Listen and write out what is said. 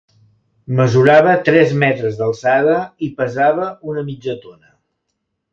Mesurava tres metres d'alçada i pesava una mitja tona.